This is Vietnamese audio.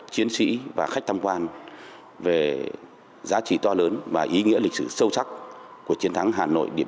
chiến sĩ và khách tham quan về giá trị to lớn và ý nghĩa lịch sử sâu sắc của chiến thắng hà nội điện